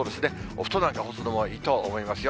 お布団なんか干すのもいいと思いますよ。